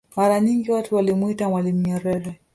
Mara nyingi watu walimwita mwalimu Nyerere